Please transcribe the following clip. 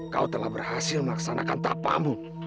kau telah berhasil melaksanakan tapamu